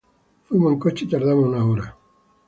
Fuimos en coche y tardamos una hora.